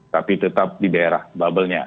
tapi tetap di daerah bubblenya